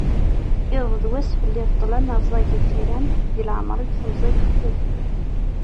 Iḍ d wass fell-i d ṭṭlam rzagit tiram, di leεmer-iw temẓi texsef.